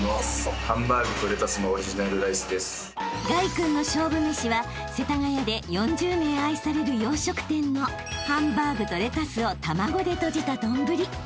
［凱君の勝負めしは世田谷で４０年愛される洋食店のハンバーグとレタスを卵でとじた丼］